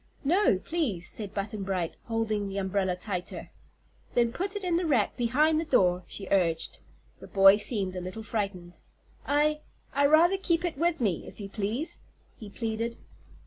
"No, please," said Button Bright, holding the umbrella tighter. "Then put it in the rack behind the door," she urged. The boy seemed a little frightened. "I I'd rather keep it with me, if you please," he pleaded.